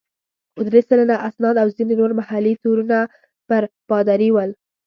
خو درې سلنه اسناد او ځینې نور محلي تورونه پر پادري ول.